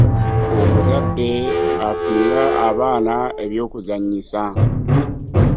Omuzadde afunire abaana eby'okuzannyisa.